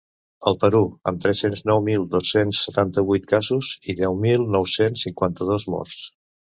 El Perú: amb tres-cents nou mil dos-cents setanta-vuit casos i deu mil nou-cents cinquanta-dos morts.